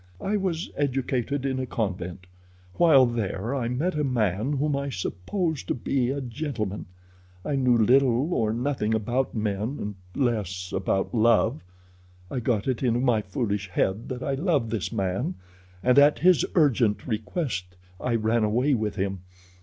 I was educated in a convent. While there I met a man whom I supposed to be a gentleman. I knew little or nothing about men and less about love. I got it into my foolish head that I loved this man, and at his urgent request I ran away with him.